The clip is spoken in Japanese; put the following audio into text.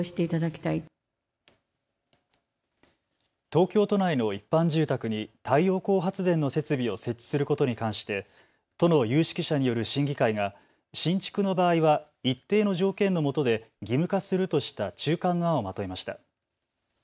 東京都内の一般住宅に太陽光発電の設備を設置することに関して都の有識者による審議会が新築の場合は一定の条件のもとで義務化するとした中間の案をまとめました。